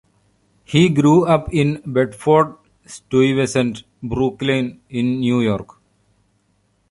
He grew up in Bedford-Stuyvesant, Brooklyn in New York.